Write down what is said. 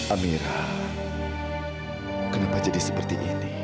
amira kenapa jadi seperti ini